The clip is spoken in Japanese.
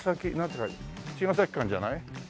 「茅ヶ崎館」じゃない？